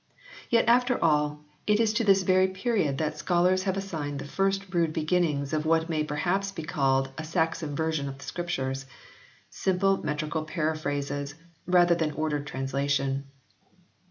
Yet, after all, it is to this very period that scholars have assigned the first rude beginnings of what may perhaps be called a Saxon version of the Scriptures, simple metrical paraphrases, rather than ordered translation.